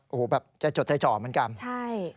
โอ้โหแบบใจจดใจจ่อเหมือนกันใช่